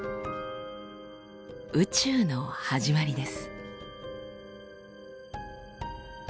宇宙の始まりです。